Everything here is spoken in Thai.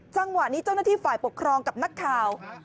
จังหวะนี้เจ้าหน้าที่ฝ่ายปกครองกับนักข่าว